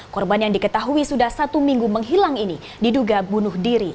korban yang diketahui sudah satu minggu menghilang ini diduga bunuh diri